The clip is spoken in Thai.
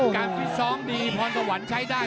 การฟิสร้องดีพรสวรรค์ใช้ได้